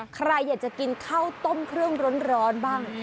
ใครอยากจะกินข้าวต้มเครื่องร้อนบ้าง